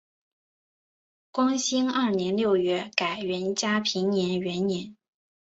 光兴二年六月改元嘉平元年。